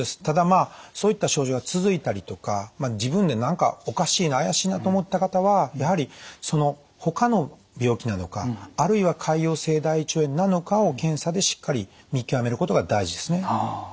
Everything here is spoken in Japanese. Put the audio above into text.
ただまあそういった症状が続いたりとか自分で何かおかしいな怪しいなと思った方はやはりその他の病気なのかあるいは潰瘍性大腸炎なのかを検査でしっかり見極めることが大事ですね。